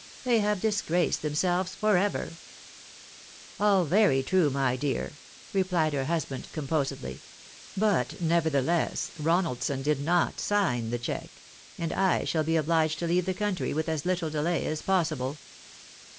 They have disgraced them selves for ever !"" All very true, my dear," repUed her husband, composedly,. *' But, nevertheless, Ronaldson did not sign the check and I shall be obUged to leave the country with as little delay as possible."